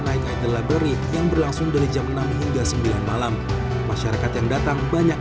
night the laboray yang berlangsung dari jam enam hingga sembilan malam masyarakat yang datang banyak